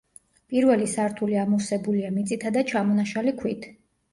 პირველი სართული ამოვსებულია მიწითა და ჩამონაშალი ქვით.